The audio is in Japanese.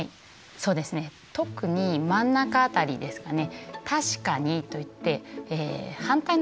そうですね特に真ん中辺りですかね。